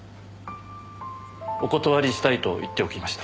お断りしたいと言っておきました。